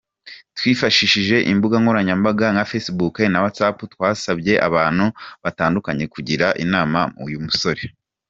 Twifashishije imbuga nkoranyambaga nka Facebook na whatsapp, twasabye abantu batandukanye kugira inama uyu musore.